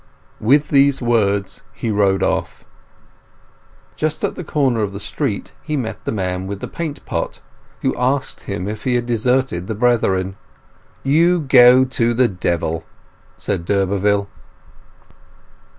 With these words he rode off. Just at the corner of the street he met the man with the paint pot, who asked him if he had deserted the brethren. "You go to the devil!" said d'Urberville.